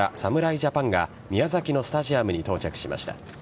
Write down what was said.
ジャパンが宮崎のスタジアムに到着しました。